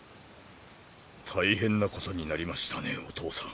大変なことになりましたねお父さん。